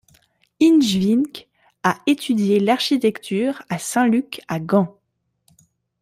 Inge Vinck a étudié l'architecture à Saint-Luc à Gand.